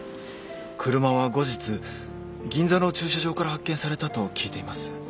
車は後日銀座の駐車場から発見されたと聞いています。